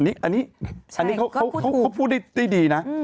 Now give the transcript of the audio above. อันนี้เขาพูดได้ดีนะ